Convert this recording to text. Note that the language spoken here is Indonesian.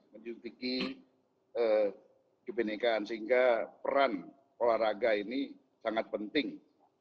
menjuntiki kebenekaan sehingga peran olahraga ini sangat penting